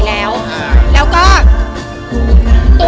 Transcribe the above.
เรียกว่า